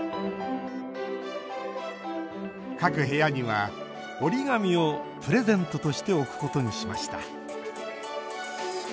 各部屋には折り紙をプレゼントとして置くことにしました。